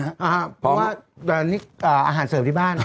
อ่าเพราะว่านี่อาหารเสิร์ฟที่บ้าน